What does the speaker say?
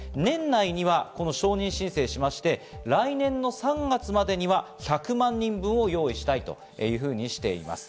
年内には承認申請しまして、来年の３月までには１００万人分を用意したいというふうにしています。